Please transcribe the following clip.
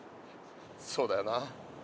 そうだよな。